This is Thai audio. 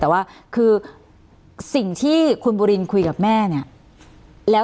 แต่ว่าคือสิ่งที่คุณบุรินคุยกับแม่เนี่ย